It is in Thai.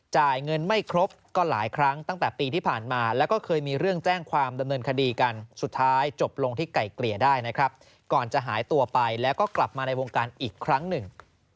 จ่ายเงินไม่ครบก็หลายครั้งตั้งแต่ปีที่ผ่านมาแล้วก็เคยมีเรื่องแจ้งความดำเนินคดีกันสุดท้ายจบลงที่ไก่เกลี่ยได้นะครับก่อนจะหายตัวไปแล้วก็กลับมาในวงการอีกครั้งหนึ่ง